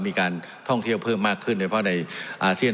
มีการท่องเที่ยวเพิ่มมากขึ้นโดยเฉพาะในอาเซียน